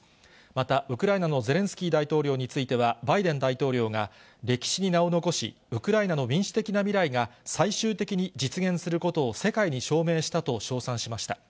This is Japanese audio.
またウクライナのゼレンスキー大統領については、バイデン大統領が、歴史に名を残し、ウクライナの民主的な未来が、最終的に実現することを世界に証明したと称賛しました。